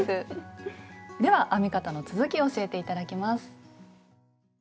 では編み方の続きを教えて頂きます。